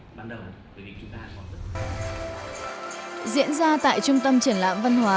diễn ra tại trung tâm triển lãm văn hóa